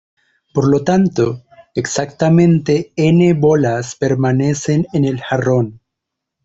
Por lo tanto, exactamente "n" bolas permanecen en el jarrón.